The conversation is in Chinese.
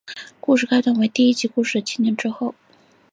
故事开端为第一季故事的七年之后。